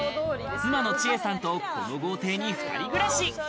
妻の千恵さんとこの豪邸に２人暮らし。